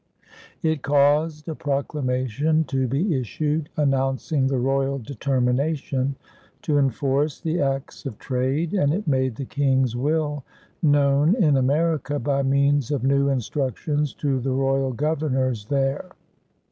It caused a proclamation to be issued announcing the royal determination to enforce the acts of trade, and it made the King's will known in America by means of new instructions to the royal governors there.